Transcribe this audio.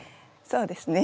そうですね。